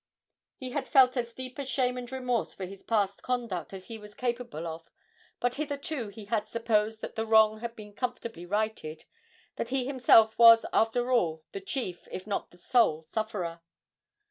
He had felt as deep a shame and remorse for his past conduct as he was capable of, but hitherto he had supposed that the wrong had been comfortably righted, that he himself was after all the chief, if not the sole sufferer.